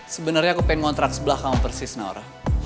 sebenernya aku pengen kontrak sebelah kamu persis naura